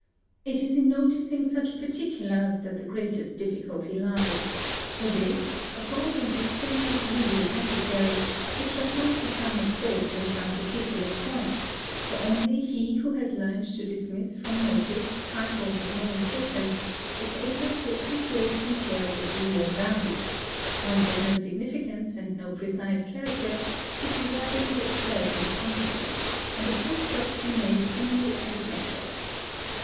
It is in noticing such particulars that the ' greatest difficulty les; for this, a broad and extensive view is necessary which does not become absorbed in some particular point; for only he _ who has learned to dismiss from notice trifles of no importance is able to * appreciate details of real value; points of no significance and no precise character should be rapidly observed in passing, and a full stop be made only at essentials.